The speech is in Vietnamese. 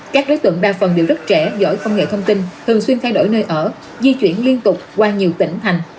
các đối tượng đa phần đều rất trẻ giỏi công nghệ thông tin thường xuyên thay đổi nơi ở di chuyển liên tục qua nhiều tỉnh thành